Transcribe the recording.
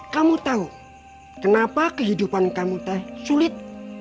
kamu tahu kenapa kehidupan kamu sulit